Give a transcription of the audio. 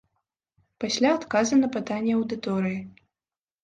Пасля адказы на пытанні аўдыторыі.